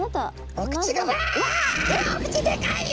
お口でかいよ。